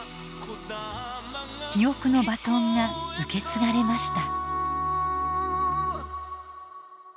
記憶のバトンが受け継がれました。